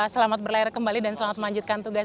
selamat berlayar kembali dan selamat melanjutkan tugas